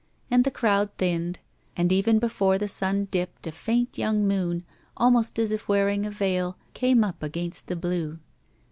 And the crowd thinned, and even before the stm dipped a faint young moon, almost as if wearing a veil, came up against the blue.